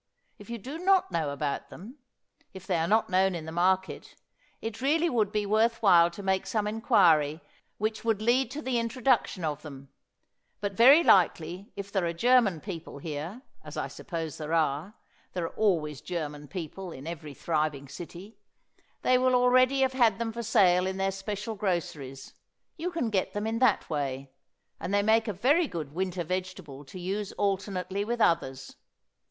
If you do not know about them if they are not known in the market it really would be worth while to make some inquiry which would lead to the introduction of them; but very likely if there are German people here, as I suppose there are, there are always German people in every thriving city, they will already have had them for sale in their special groceries; you can get them in that way, and they make a very good winter vegetable to use alternately with others.